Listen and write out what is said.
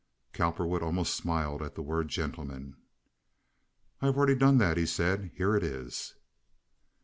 Cowperwood almost smiled at the word "gentlemen." "I have already done that," he said. "Here it is."